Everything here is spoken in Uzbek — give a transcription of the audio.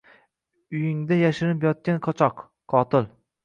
— Uyingda yashirinib yotgan qochoq — qotil!